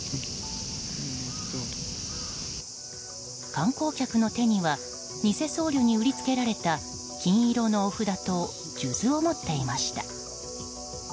観光客の手にはニセ僧侶に売りつけられた金色のお札と数珠を持っていました。